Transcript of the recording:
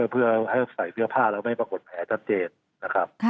เพื่อใส่สื้อผ้าแล้วไม่ปรากฎแผลทันเจน